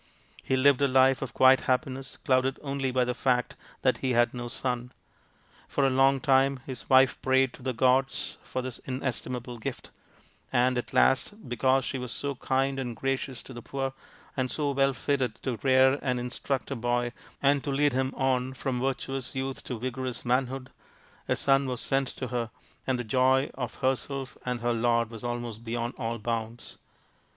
He lived a life of quiet happiness clouded only by the fact that he had no son. For a long time his wife prayed to the gods for this inestimable gift, and at last, be cause she was so kind and gracious to the poor, and so well fitted to rear and instruct a boy and to lead him on from virtuous youth to vigorous manhood, a son was sent to her, and the joy of herself and her lord was almost beyond all bounds.